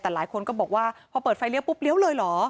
แต่หลายคนก็บอกว่าพอเปิดไฟเลี้ยปุ๊บเลี้ยวเลยเหรอ